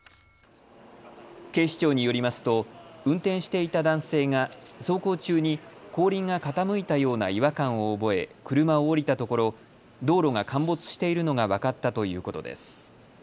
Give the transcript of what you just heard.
警視庁によりますと運転していた男性が走行中に後輪が傾いたような違和感を覚え車を降りたところ道路が陥没しているのが分かったということです。